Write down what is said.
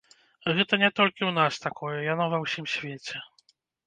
Гэта не толькі ў нас такое, яно ва ўсім свеце.